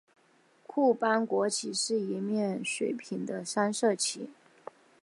库班国旗是一面水平的三色旗。